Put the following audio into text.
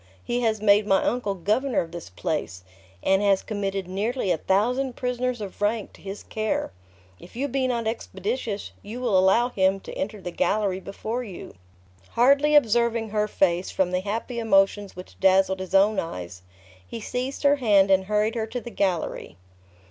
He has made my uncle governor of this place, and has committed nearly a thousand prisoners of rank to his care. If you be not expeditious, you will allow him to enter the gallery before you." Hardly observing her face, from the happy emotions which dazzled his own eyes, he seized her hand, and hurried her to the gallery.